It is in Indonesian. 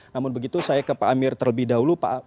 namun begitu saya ke pak amir terlebih dahulu pak